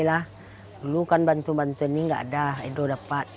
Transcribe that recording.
dulu kan bantu bantu ini tidak ada edo dapat